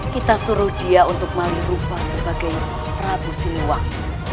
kita suruh dia untuk melirupa sebagai prabu siliwang